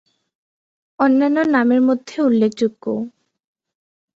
অন্যান্য নামের মধ্যে উল্লেখযোগ্য।